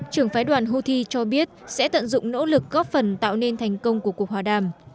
trưởng phái đoàn houthi cho biết sẽ tận dụng nỗ lực góp phần tạo nên thành công của cuộc hòa đàm